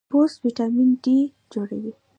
پوست وټامین ډي جوړوي.